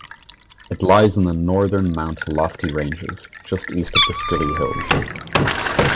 It lies in the northern Mount Lofty Ranges just east of the Skilly Hills.